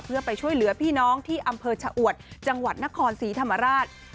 เพื่อไปช่วยเหลือพี่น้องที่อำเภอชะอวดจังหวัดนครศรีธรรมราช